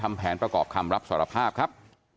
และไม่ขอทำแผนประกอบคำรับสารภาพครับ